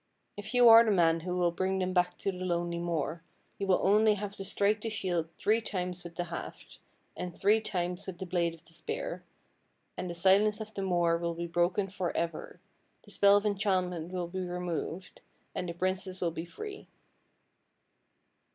If you are the man who will bring them back to the lonely moor you will only have to strike the shield three times with the haft, and three times with the blade of the spear, and the silence of the moor will be broken for ever, the spell of enchantment will be removed, and the princess will be free."